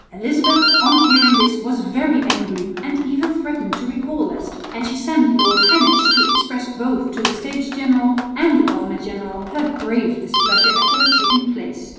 Elizabeth on hearing this was very angry and even threatened to recall Leicester, and she sent Lord Heneage to express both to the States General and the governor general her grave displeasure at what had taken place.